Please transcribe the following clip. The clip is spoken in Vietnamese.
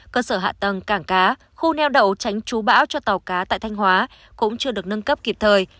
cơ sở hạ tầng cảng cá khu neo đậu tránh chú bão cho tàu cá tại thanh hóa cũng chưa được nâng cấp kịp thời